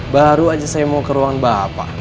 baru aja saya mau ke ruang bapak